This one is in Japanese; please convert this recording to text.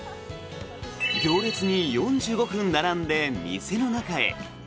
行列に４５分並んで店の中へ。